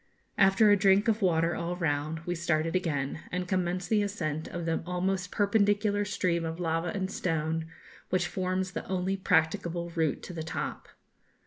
After a drink of water all round, we started again, and commenced the ascent of the almost perpendicular stream of lava and stone, which forms the only practicable route to the top.